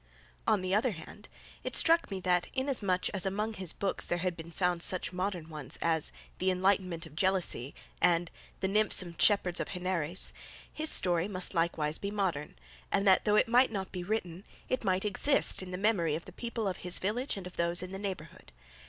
On the other hand, it struck me that, inasmuch as among his books there had been found such modern ones as "The Enlightenment of Jealousy" and the "Nymphs and Shepherds of Henares," his story must likewise be modern, and that though it might not be written, it might exist in the memory of the people of his village and of those in the neighbourhood.